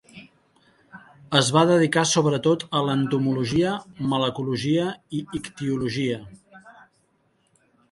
Es va dedicar sobretot a l'entomologia, malacologia i ictiologia.